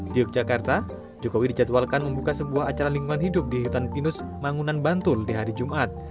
di yogyakarta jokowi dijadwalkan membuka sebuah acara lingkungan hidup di hutan pinus mangunan bantul di hari jumat